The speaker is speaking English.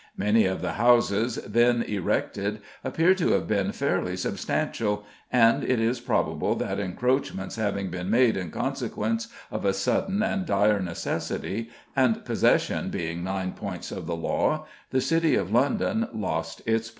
Many of the houses then erected appear to have been fairly substantial, and it is probable that encroachments having been made in consequence of a sudden and dire necessity, and possession being nine points of the law, the City of London lost its park.